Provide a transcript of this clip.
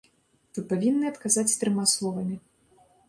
Вы павінны адказаць трыма словамі.